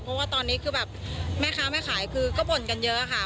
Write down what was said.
เพราะว่าตอนนี้คือแบบแม่ค้าแม่ขายคือก็บ่นกันเยอะค่ะ